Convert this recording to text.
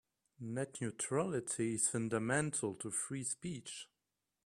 Net neutrality is fundamental to free speech.